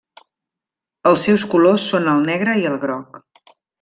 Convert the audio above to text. Els seus colors són el negre i el groc.